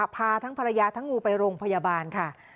พาทั้งภรรยาทั้งงูไปโรงพยาบาลค่ะ